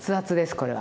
これは。